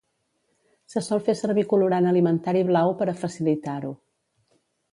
Se sol fer servir colorant alimentari blau per a facilitar-ho.